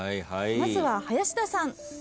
まずは林田さん。